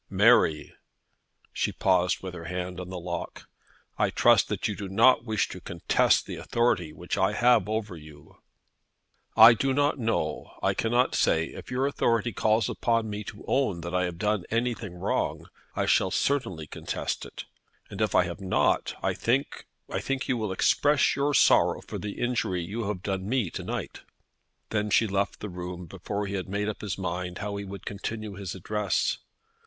"Mary!" She paused with her hand on the lock. "I trust that you do not wish to contest the authority which I have over you?" "I do not know; I cannot say. If your authority calls upon me to own that I have done anything wrong, I shall certainly contest it. And if I have not, I think I think you will express your sorrow for the injury you have done me to night." Then she left the room before he had made up his mind how he would continue his address.